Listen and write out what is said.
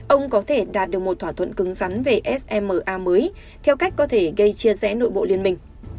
ông có thể đạt được một thỏa thuận cứng rắn về sma mới theo cách có thể gây chia rẽ nội bộ liên minh